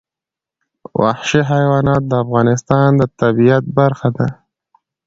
وحشي حیوانات د افغانستان د طبیعت برخه ده.